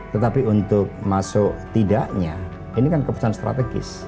tetapi untuk masuk tidaknya ini kan keputusan strategis